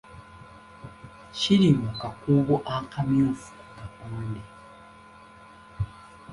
Kiri mu kakuubo akamyufu ku kapande.